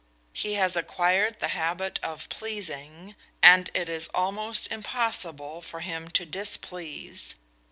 He has acquired the habit of pleasing, and it is almost impossible for him to displease.